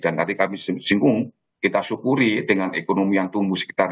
dan tadi kami singgung kita syukuri dengan ekonomi yang tumbuh sekitar lima